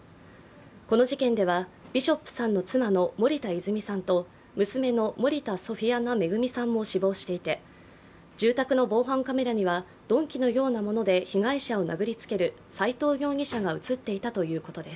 この事件では、ビショップさんの妻の森田泉さんと娘の森田ソフィアナ恵さんも死亡していて住宅の防犯カメラには、鈍器のようなもので被害者を殴りつける斉藤容疑者が映っていたということです。